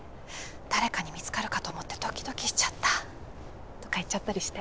誰かに見つかるかと思ってドキドキしちゃった！とか言っちゃったりして。